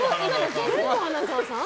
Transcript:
全部、花澤さん。